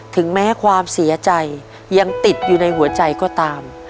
ถึงแม้ความเสียใจยังติดอยู่ในหัวใจก็ตาม